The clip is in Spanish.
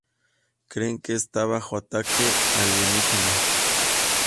Creen que está bajo ataque alienígena.